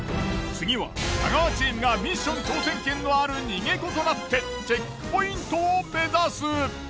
次は太川チームがミッション挑戦権のある逃げ子となってチェックポイントを目指す。